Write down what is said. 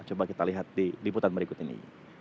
coba kita lihat di liputan berikut ini